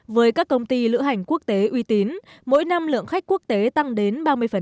với các công ty lữ hành quốc tế uy tín mỗi năm lượng khách quốc tế tăng đến ba mươi